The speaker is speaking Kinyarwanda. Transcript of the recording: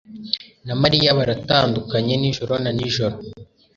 na Mariya baratandukanye nijoro na nijoro.